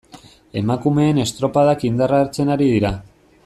Emakumeen estropadak indarra hartzen ari dira.